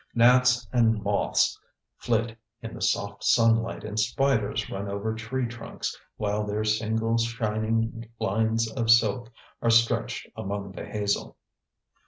Gnats and moths flit in the soft sunlight and spiders run over tree trunks while their single shining lines of silk are stretched among the hazel.